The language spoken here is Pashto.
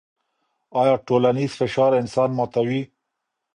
آيا ټولنيز فشار انسان ماتوي؟